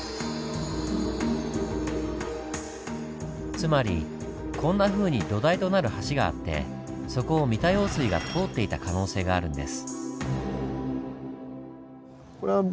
つまりこんなふうに土台となる橋があってそこを三田用水が通っていた可能性があるんです。